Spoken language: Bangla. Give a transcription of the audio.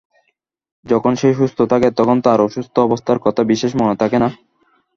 যখন সে সুস্থ থাকে, তখন তার অসুস্থ অবস্থার কথা বিশেষ মনে থাকে না।